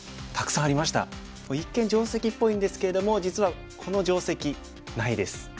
一見定石っぽいんですけれども実はこの定石ないです。